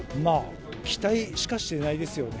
期待しかしてないですよね。